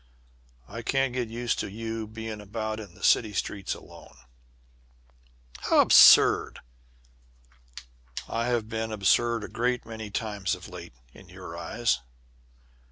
"I can't get used to you being about in the city streets alone." "How absurd!" "I have been absurd a great many times of late in your eyes.